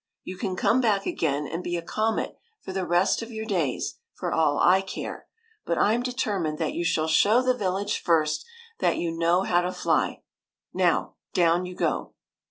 You can come back again and be a comet for the rest of your days, for all I care ; but I 'm determined that WENT TO THE MOON 187 you shall show the village first that you know how to fly. Now, down you go